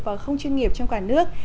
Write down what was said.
và không chuyên nghiệp trong cả nước